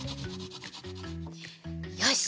よし！